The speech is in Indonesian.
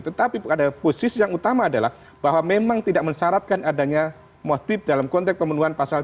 tetapi ada posisi yang utama adalah bahwa memang tidak mensyaratkan adanya motif dalam konteks pemenuhan pasal tiga ratus empat puluh